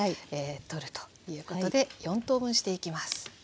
取るということで４等分していきます。